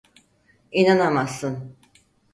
İnanamazsın.